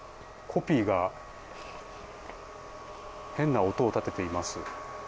コピーが変な音を立てています。